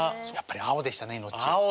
やっぱり青でしたねイノッチ。